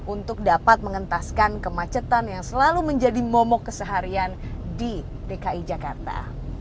untuk dapat mengentaskan kemacetan yang selalu menjadi momok keseharian di dki jakarta